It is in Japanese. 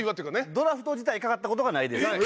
ドラフト自体かかった事がないです。